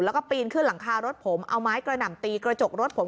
แล้วก็ปีนขึ้นหลังคารถผมเอาไม้กระหน่ำตีกระจกรถผม